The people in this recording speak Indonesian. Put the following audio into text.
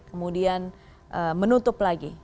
kemudian menutup lagi